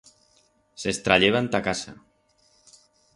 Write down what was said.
Se's trayeban ta casa.